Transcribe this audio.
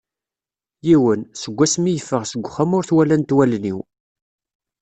Yiwen, seg wass mi yeffeɣ seg uxxam ur t-walant wallen-iw.